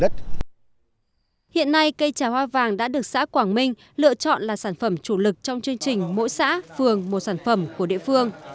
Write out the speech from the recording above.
trà hoa vàng đã được xã quảng minh lựa chọn là sản phẩm chủ lực trong chương trình mỗi xã phường một sản phẩm của địa phương